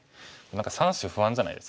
何か３子不安じゃないですか？